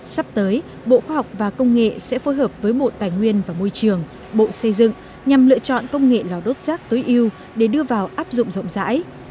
sắp tới bộ khoa học và công nghệ sẽ phối hợp với bộ tài nguyên và môi trường bộ xây dựng nhằm lựa chọn công nghệ lò đốt rác tối ưu để đưa vào áp dụng rộng rãi